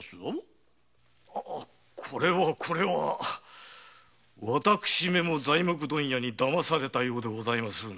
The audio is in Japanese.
これはこれは私めも材木問屋にだまされたようでございますな。